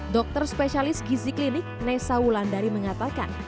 dokter spesialis gizi klinik nesa wulandari mengatakan